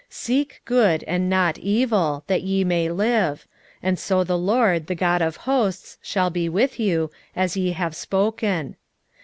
5:14 Seek good, and not evil, that ye may live: and so the LORD, the God of hosts, shall be with you, as ye have spoken.